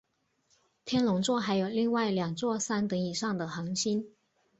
天龙座还有另外两颗三等以上的恒星。